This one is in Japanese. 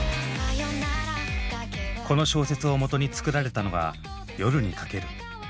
この小説をもとに作られたのが「夜に駆ける」。